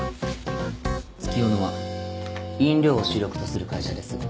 月夜野は飲料を主力とする会社です。